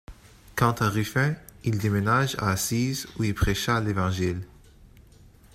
Quant à Rufin, il déménage à Assise, où il prêcha l'Évangile.